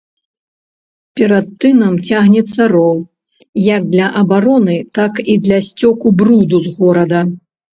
Перад тынам цягнецца роў як для абароны, так і для сцёку бруду з горада.